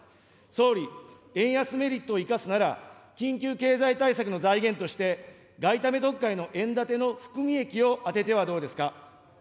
総理、円安メリットを生かすなら、緊急経済対策の財源として、外為特会の円建ての含み益を充ててはどうですか。